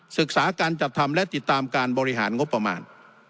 ศึกษาการจัดทำและติดตามการบริหารงบประมาณ